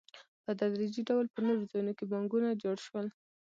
په تدریجي ډول په نورو ځایونو کې بانکونه جوړ شول